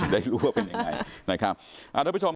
จะได้รู้ว่าเป็นยังไง